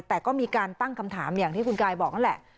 แต่ก็มีการตั้งคำถามอย่างที่คุณกายบอกนั่นแหละ